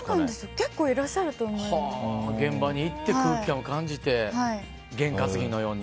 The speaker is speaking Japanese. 現場に行って空気感を感じて験担ぎのように。